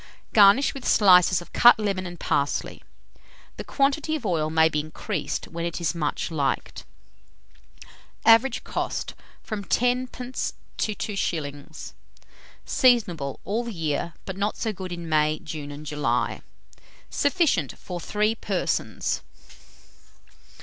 Garnish with slices of cut lemon and parsley. The quantity of oil may be increased when it is much liked. (See Coloured Plate I.) Average cost, from 10d. to 2s. Seasonable all the year; but not so good in May, June, and July. Sufficient for 3 persons.